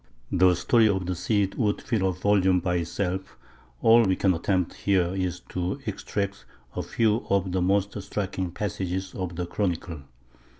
The story of the Cid would fill a volume by itself; all we can attempt here is to extract a few of the most striking passages of the Chronicle.